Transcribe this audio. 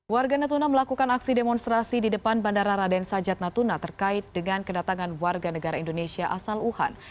warga natuna melakukan aksi demonstrasi di depan bandara raden sajat natuna terkait dengan kedatangan warga negara indonesia asal wuhan